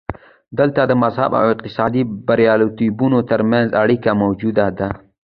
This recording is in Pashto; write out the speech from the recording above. دلته د مذهب او اقتصادي بریالیتوبونو ترمنځ اړیکه موجوده ده.